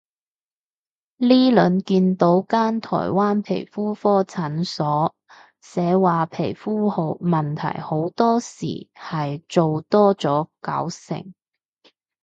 呢輪見到間台灣皮膚科診所，寫話皮膚問題好多時係做多咗搞成